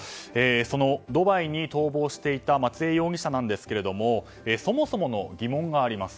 そのドバイに逃亡していた松江容疑者ですがそもそもの疑問があります。